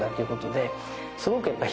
で